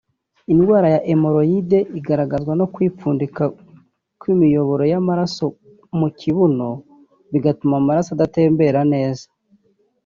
Indwara ya hemoroyide igaragazwa no kwipfundika kw’imiyoboro y’amaraso mu kibuno bigatuma amaraso adatembera neza